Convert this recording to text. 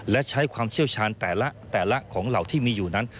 และใช้ความเชี่ยวชาญแต่ละของเหล่าที่มีอยู่นั้น